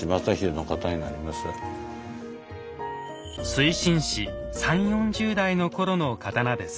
水心子３０４０代の頃の刀です。